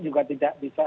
juga tidak bisa